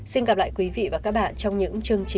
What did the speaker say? xin gặp lại quý vị và các bạn trong những chương trình